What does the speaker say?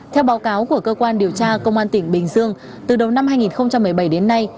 theo báo cáo của cơ quan điều tra công an tỉnh bình dương từ đầu năm hai nghìn một mươi bảy đến nay